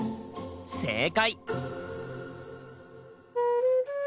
正解！